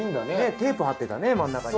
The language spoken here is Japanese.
テープ貼ってたね真ん中にね。